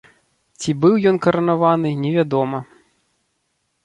Ці быў ён каранаваны невядома.